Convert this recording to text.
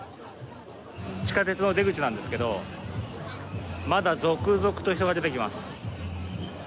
地下鉄の出口なんですけど、まだ続々と人が出てきます。